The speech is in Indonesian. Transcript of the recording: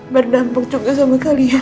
berdampak juga sama kalian